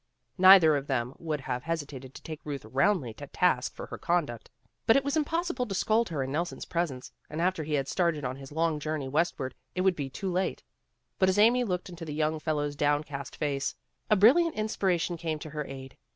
Neither one of them would have hesitated to take Euth roundly to task for her conduct, but it was impossible to scold her in Nelson's presence, and after he had started on his long journey westward it would be too late. But as Amy looked into the young fel low's down cast face, a brilliant inspiration came to her aid.